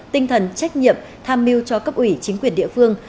tinh thần trách nhiệm tham mưu cho cấp ủy chính quyền địa phương